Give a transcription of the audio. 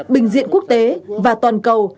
bình diện quốc tế và toàn cầu